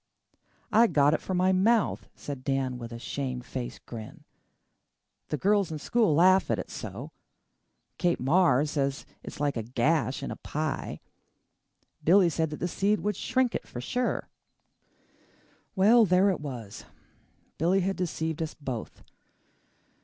"I got it for my mouth," said Dan with a shame faced grin. "The girls in school laugh at it so. Kate Marr says it's like a gash in a pie. Billy said that seed would shrink it for sure." Well, there it was! Billy had deceived us both.